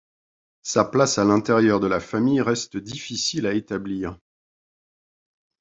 Sa place à l'intérieur de la famille reste difficile à établir.